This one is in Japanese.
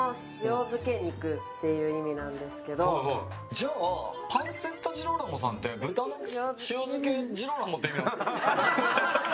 じゃあパンツェッタ・ジローラモさんって豚の塩漬けジローラモって意味ですか？